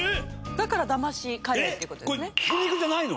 だからだましカレーっていう事ですね。